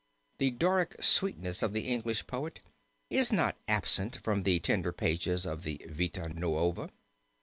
The 'Doricke sweetnesse' of the English poet is not absent from the tender pages of the Vita Nuova.